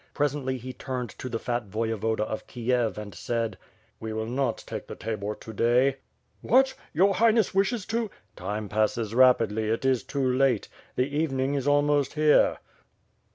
Presently he turned to the fat Voyevoda of Kiev and said: "We will not take the tabor to day." "What? Your Highness wishes to? —" "Time passes rapidly; it is too late. The evening is almost here."